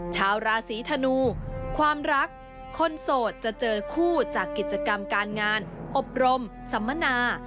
ชาวราศีธนูความรักคนโสดจะเจอคู่จากกิจกรรมการงานอบรมสัมมนา